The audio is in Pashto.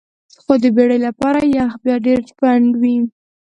خو د بیړۍ لپاره یخ بیا ډیر پنډ وي